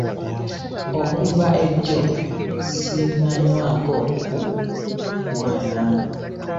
Okuva jjo ssinnayonsa ku mwana.